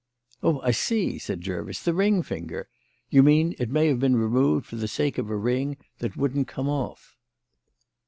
"Oh, I see!" said Jervis. "The ring finger. You mean it may have been removed for the sake of a ring that wouldn't come off."